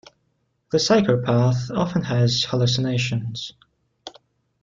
The psychopath often has hallucinations.